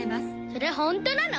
「それホントなの？」